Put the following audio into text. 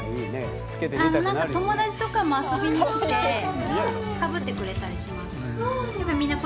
友達とかも遊びに来てかぶってくれたりします。